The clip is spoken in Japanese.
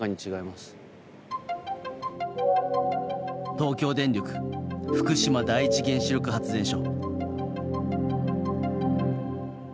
東京電力福島第一原子力発電所。